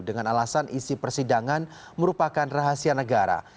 dengan alasan isi persidangan merupakan rahasia negara